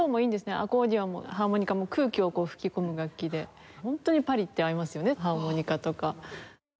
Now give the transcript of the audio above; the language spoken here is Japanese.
アコーディオンもハーモニカも空気を吹き込む楽器でホントにパリって合いますよねハーモニカとか。